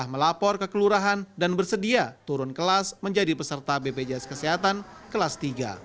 melapor kekelurahan dan bersedia turun kelas menjadi peserta bbjs kesehatan kelas tiga